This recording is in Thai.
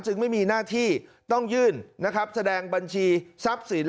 จึงไม่มีหน้าที่ต้องยื่นแสดงบัญชีทรัพย์ศิลป์